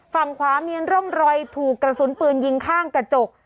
ฝั่งขวามีร่องรอยถูกกระสุนปืนยิงข้างกระจก